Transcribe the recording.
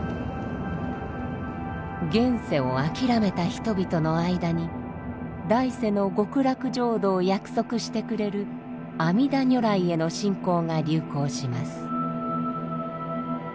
現世を諦めた人々の間に来世の極楽浄土を約束してくれる阿弥陀如来への信仰が流行します。